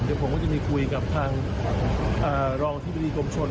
เดี๋ยวผมก็จะมีคุยกับทางรองอธิบดีกรมชน